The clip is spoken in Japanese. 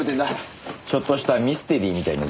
ちょっとしたミステリーみたいな事件です。